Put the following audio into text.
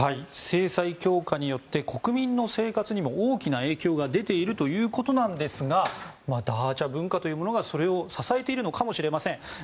制裁強化によって国民の生活にも大きな影響が出ているということなんですがダーチャ文化というものがそれを支えているのかもしれません。